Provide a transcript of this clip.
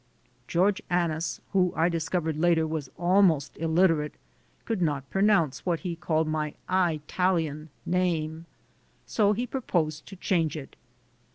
George Annis, who I discovered later was almost illiterate, could not pronounce what he called my "Eyetalian" name. So he proposed to change it.